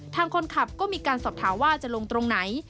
ทางคนขับก็มีการสอบถามว่าจะลงตรงไหน